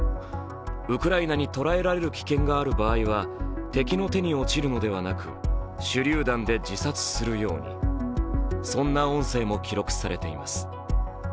ウクライナに捕らえられる危険がある場合は、敵の手に落ちるのではなく手りゅう弾で自殺するようにそんな音声も記録されています。